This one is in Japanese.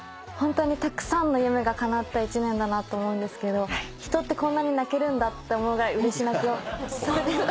ホントにたくさんの夢がかなった１年だなと思うんですけど人ってこんなに泣けるんだって思うぐらいうれし泣きを。